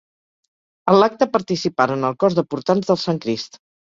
En l'acte participaren el cos de Portants del Sant Crist.